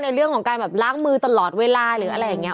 ในเรื่องของการแบบล้างมือตลอดเวลาหรืออะไรอย่างนี้